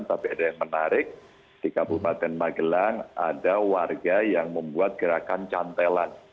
tapi ada yang menarik di kabupaten magelang ada warga yang membuat gerakan cantelan